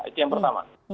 itu yang pertama